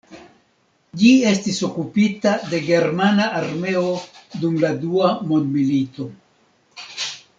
Ĝi estis okupita de Germana armeo dum la Dua mondmilito.